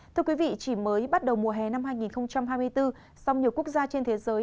thưa quý vị chỉ mới bắt đầu mùa hè năm hai nghìn hai mươi bốn song nhiều quốc gia trên thế giới